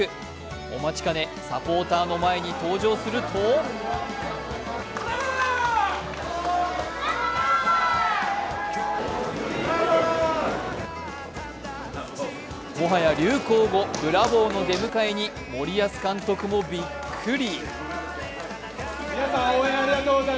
お待ちかね、サポーターの前に登場するともはや流行語・ブラボーの出迎えに森保監督もびっくり。